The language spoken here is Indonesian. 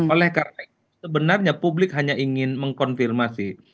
oleh karena itu sebenarnya publik hanya ingin mengkonfirmasi